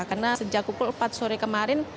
karena sejak pukul empat sore kemarin